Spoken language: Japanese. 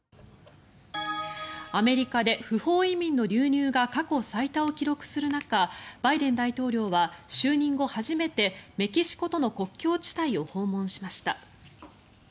アメリカで不法移民の流入が過去最多を記録する中バイデン大統領は就任後初めてメキシコとの国境地帯を訪問しました。